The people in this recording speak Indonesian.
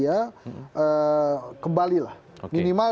yang kedua tyrannical